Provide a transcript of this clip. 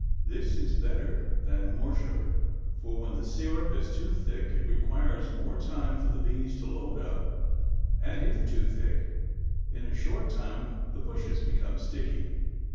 This is better than more sugar, for when the syrup is too thick it requires more time for the bees to load up and if too thick, in a short time the bushes become sticky.